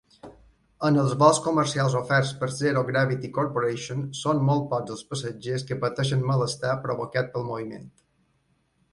En els vols comercials oferts per Zero Gravity Corporation, són molt pocs els passatgers que pateixen malestar provocat pel moviment.